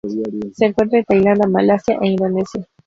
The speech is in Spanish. Se encuentra en Tailandia, Malasia e Indonesia.